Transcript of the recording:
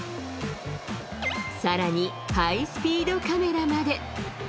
さらに、ハイスピードカメラまで。